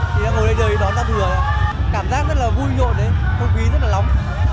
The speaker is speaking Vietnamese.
thì đang ngồi đây đợi đón giao thừa cảm giác rất là vui nhộn đấy không khí rất là lóng